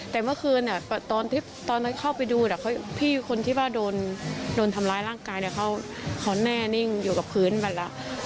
แต่เมื่อคืนตอนนั้นเข้าไปดูพี่คนที่ว่าโดนทำร้ายร่างกายเขาแน่นิ่งอยู่กับพื้นไปแล้ว